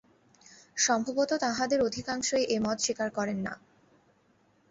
সম্ভবত তাঁহাদের অধিকাংশই এ মত স্বীকার করেন না।